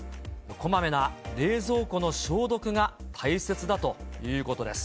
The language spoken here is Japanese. こまめな冷蔵庫の消毒が大切だということです。